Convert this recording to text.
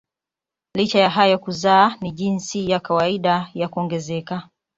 Licha ya hayo kuzaa ni jinsi ya kawaida ya kuongezeka.